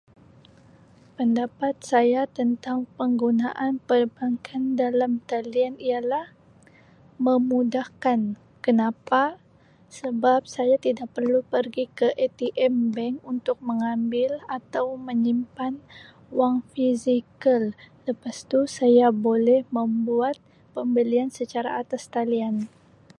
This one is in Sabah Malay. Pendapat saya tentang penggunaan perbankan dalam talian ialah memudahkan kenapa sebab saya tidak perlu pergi ke ATM bank untuk mengambil atau menyimpan wang fizikal lepastu saya boleh membuat pembelian secara atas talian.